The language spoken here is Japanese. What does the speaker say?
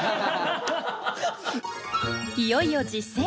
いよいよ実践。